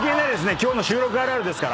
今日の収録あるあるですから。